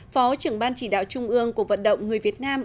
phó trưởng ban chỉ đạo trung ương cuộc vận động người việt nam